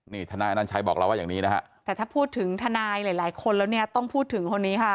นี่ทนายอนัญชัยบอกเราว่าอย่างนี้นะฮะแต่ถ้าพูดถึงทนายหลายหลายคนแล้วเนี่ยต้องพูดถึงคนนี้ค่ะ